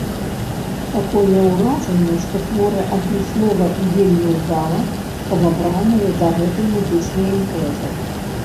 Такое ўражанне, што творы адмыслова і вельмі ўдала падабраныя да гэтай музычнай імпрэзы.